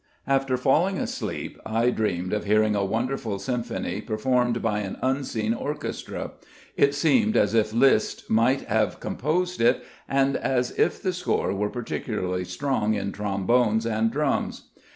After falling asleep, I dreamed of hearing a wonderful symphony performed by an unseen orchestra; it seemed as if Liszt might have composed it, and as if the score was particularly strong in trombones and drums.